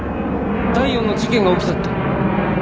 第四の事件が起きたって。